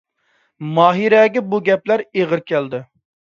ماھىرەگە بۇ گەپلەر ئېغىر كەلدى.